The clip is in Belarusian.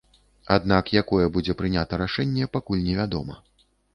Аднак якое будзе прынята рашэнне, пакуль не вядома.